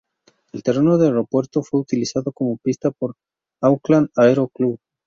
El terreno del aeropuerto fue utilizado como pista por el Auckland Aero Club.